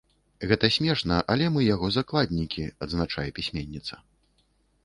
Гэта смешна, але мы яго закладнікі, адзначае пісьменніца.